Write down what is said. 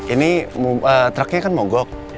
ini teraknya kan mau gok